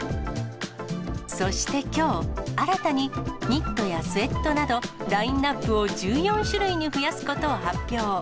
そしてきょう、新たにニットやスエットなど、ラインナップを１４種類に増やすことを発表。